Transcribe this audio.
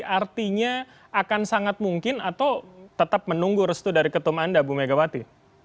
artinya akan sangat mungkin atau tetap menunggu restu dari ketum anda bu megawati